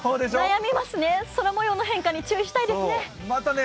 悩みますね、空模様の変化に注意したいですね。